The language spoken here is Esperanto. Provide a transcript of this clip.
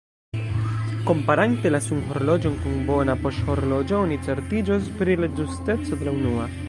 Komparante la sunhorloĝon kun bona poŝhorloĝo, oni certiĝos pri la ĝusteco de la unua.